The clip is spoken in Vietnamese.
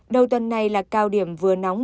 đầu tuần này là cao điểm vừa nóng